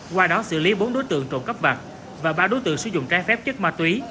qua đó xử lý bốn đối tượng trộm cắp vặt và ba đối tượng sử dụng trái phép chất ma túy